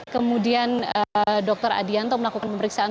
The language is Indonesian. kemudian dokter adianto melakukan memeriksaan